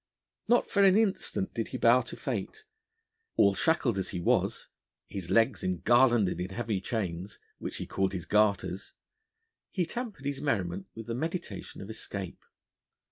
Not for an instant did he bow to fate: all shackled as he was, his legs engarlanded in heavy chains which he called his garters he tempered his merriment with the meditation of escape.